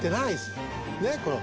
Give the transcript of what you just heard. ねっこの。